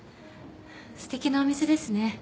すてきなお店ですね。